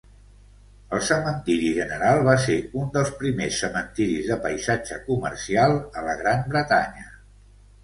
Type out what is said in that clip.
El Cementiri General va ser un dels primers cementiris de paisatge comercial a la Gran Bretanya.